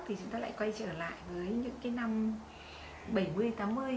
thì chúng ta lại quay trở lại với những cái năm bảy mươi tám mươi